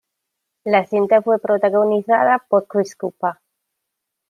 La cinta fue protagonizada por Chris Cooper.